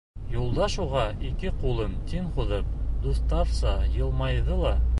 Юлдаш уға, ике ҡулын тиң һуҙып, дуҫтарса йылмайҙы ла: